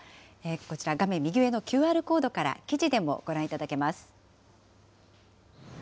こちら、画面右上のＱＲコードから、記事でもご覧いただけます。